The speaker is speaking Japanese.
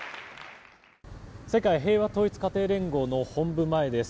世界平和統一家庭連合の本部前です。